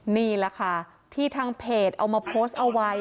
นี่แหละค่ะที่ทางเพจเอามาโพสต์เอาไว้